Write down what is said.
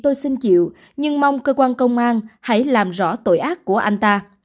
tôi xin chịu nhưng mong cơ quan công an hãy làm rõ tội ác của anh ta